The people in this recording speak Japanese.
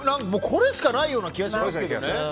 これしかないような気がしますけどね。